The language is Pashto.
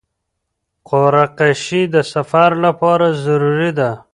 قرعه کشي د سفر لپاره ضروري ده.